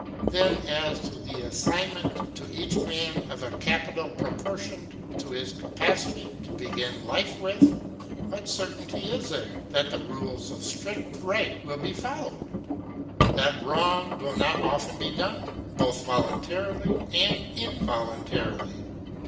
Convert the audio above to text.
Then as to the assignment to each man of a capital proportioned to his capacity to begin life with, what certainty is there that the rules of strict right will be followed? that wrong will not often be done, both voluntarily and involuntarily?